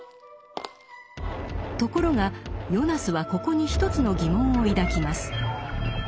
ところがヨナスはここに一つの疑問を抱きます。